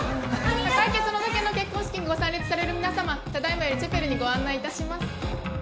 酒井家園田家の結婚式にご参列される皆さまただ今よりチャペルにご案内いたします。